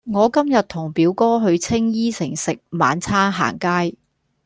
我今日同表哥去青衣城食晚餐行街